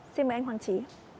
xin mời anh hoàng trí